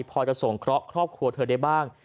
พอจะส่งเคราะห์ครอบครัวเธอได้บ้าง